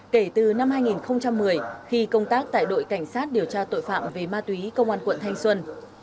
kể từ năm hai nghìn một mươi khi công tác tại đội cảnh sát điều tra tội phạm về ma túy công an quận thanh xuân